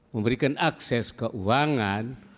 memberikan akses keuangan